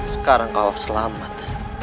sekarang kau selamat